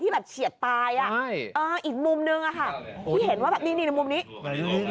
ที่แบบเฉียดตายอ่ะอีกมุมนึงอ่ะค่ะพี่เห็นว่าแบบนี้นี่มุมนี้